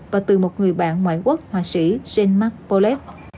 và từ một người bạn ngoại quốc hòa sĩ jean marc paulette